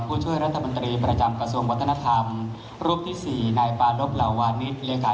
ถือว่าชีวิตที่ผ่านมายังมีความเสียหายแก่ตนและผู้อื่น